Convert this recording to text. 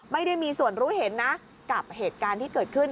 ไม่ได้มีส่วนรู้เห็นนะกับเหตุการณ์ที่เกิดขึ้น